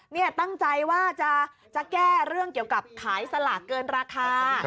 นี่ตั้งใจว่าจะแก้เรื่องเกี่ยวกับขายสลากเกินราคา